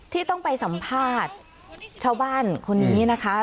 ที่ต้องไปสัมภาษณ์ชาวบ้านคนนี้นะคะ